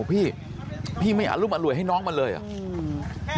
พี่พี่ไม่อรุมอร่วยให้น้องมันเลยเหรอ